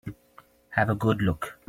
Have a good look.